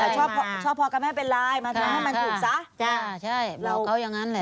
ชอบชอบพอกันไม่เป็นไรมาทำให้มันถูกซะเราก็อย่างนั้นแหละ